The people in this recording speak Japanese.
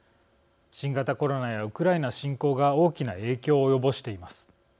新型コロナやウクライナ侵攻が大きな影響を及ぼしています。